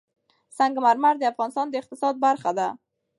سنگ مرمر د افغانستان د اقتصاد برخه ده.